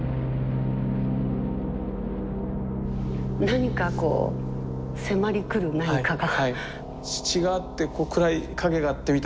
何かこう迫りくる何かが。